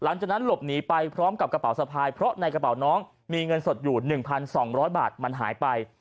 หลังจากนั้นหลบหนีไปพร้อมกับกระเป๋าสะพายเพราะในกระเป๋าน้องมีเงินสดอยู่๑๒๐๐บาทมันหายไป